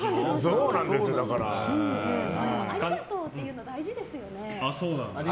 ありがとうって言うの大事ですよね。